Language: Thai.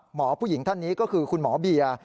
หมอผู้หญิงท่านนี้ก็คือคุณหมอเบียร์